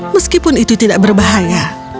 meskipun itu tidak berbahaya